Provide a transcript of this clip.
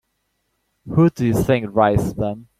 Who do you think writes them?